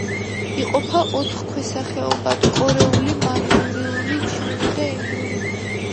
იყოფა ოთხ ქვესახეობად: კორეული, მანჯურიული, ჩინური და ინდური.